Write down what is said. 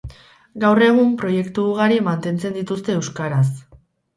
Gaur egun proiektu ugari mantentzen dituzte Euskaraz.